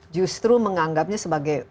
justru menganggapnya sebagai